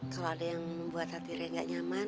kalau ada yang membuat hati rere gak nyaman